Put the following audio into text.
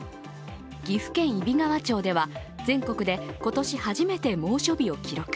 岐阜県揖斐川町では全国で今年初めて猛暑日を記録。